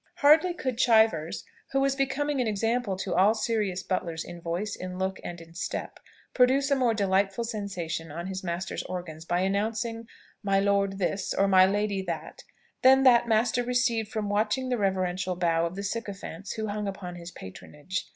Hardly could Chivers, who was become an example to all serious butlers in voice, in look, and in step, produce a more delightful sensation on his master's organs by announcing my Lord This, or my Lady That, than that master received from watching the reverential bows of the sycophants who hung upon his patronage.